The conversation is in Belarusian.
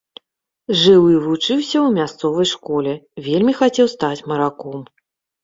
Жыў і вучыўся ў мясцовай школе, вельмі хацеў стаць мараком.